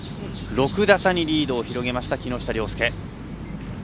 ６打差にリードを広げた木下稜介。